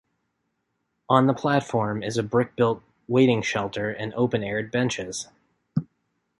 On the platform is a brick built waiting shelter and open aired benches.